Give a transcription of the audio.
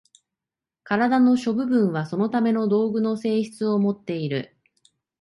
身体の諸部分はそのための道具の性質をもっている。